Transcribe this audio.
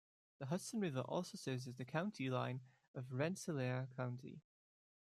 The Hudson River also serves as the county line of Rensselaer County.